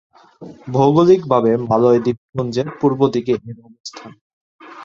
ভৌগোলিকভাবে মালয় দ্বীপপুঞ্জের পূর্ব দিকে এর অবস্থান।